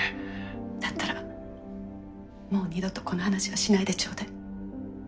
だったらもう二度とこの話はしないでちょうだい。